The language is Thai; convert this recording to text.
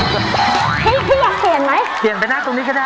พี่พี่อยากเปลี่ยนไหมเปลี่ยนไปหน้าตรงนี้ก็ได้